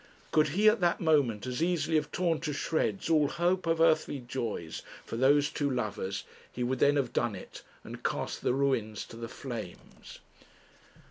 Could he at that moment as easily have torn to shreds all hope of earthly joys for those two lovers, he would then have done it, and cast the ruins to the flames.